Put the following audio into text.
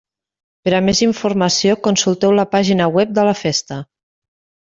Per a més informació, consulteu la pàgina web de la festa.